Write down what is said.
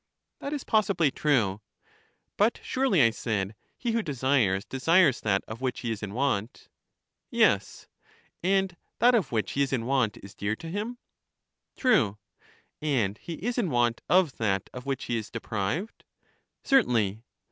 That is possibly true. But surely, I said, he who desires, desires that of which he is in want? Yes. And that of which he is in want is dear to him? True. And he is in want of that of which he is deprived? Certainly.